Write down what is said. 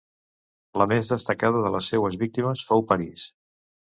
La més destacada de les seues víctimes fou Paris.